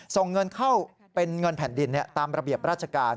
ส่งเงินเข้าเป็นเงินแผ่นดินตามระเบียบราชการ